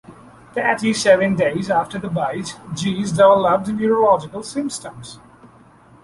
Thirty-seven days after the bite, Giese developed neurological symptoms.